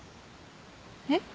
えっ？